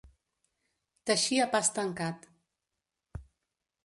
Teixir a pas tancat.